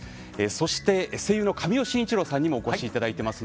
そして声優の神尾晋一郎さんにもお越しいただいています。